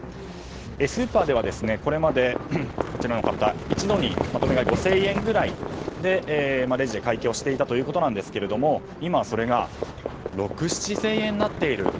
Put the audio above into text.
スーパーではこれまで一度にまとめ買い５０００円ぐらいでレジで会計をしていたということなんですが今はそれが６０００７０００円になっていると。